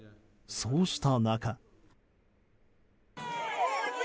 そうした中。